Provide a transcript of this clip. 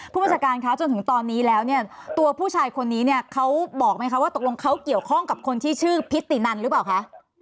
ผู้บัญชาการคะจนถึงตอนนี้แล้วเนี่ยตัวผู้ชายคนนี้เนี่ยเขาบอกไหมคะว่าตกลงเขาเกี่ยวข้องกับคนที่ชื่อพิตินันหรือเปล่าคะ